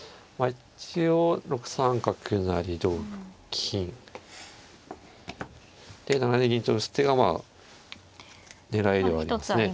一応６三角成同金で７二銀と打つ手が狙いではありますね。